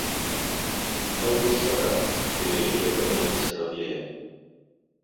Там пустата і вялікія камяні пасярод яе.